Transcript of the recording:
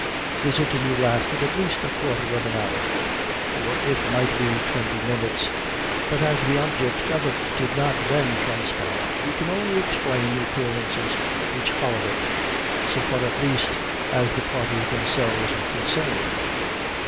This interview lasted, at least, a quarter of an hour, or it might be twenty minutes, but as the object of it did not then transpire, we can only explain the appearances which followed it, so far at least, as the parties themselves were concerned.